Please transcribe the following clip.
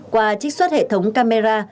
qua trích xuất hệ thống camera